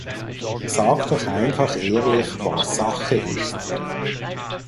Sag doch einfach ehrlich, was Sache ist.